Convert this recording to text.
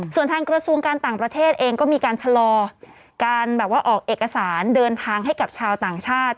ส่วนทางกระทรวงการต่างประเทศเองก็มีการชะลอการแบบว่าออกเอกสารเดินทางให้กับชาวต่างชาติ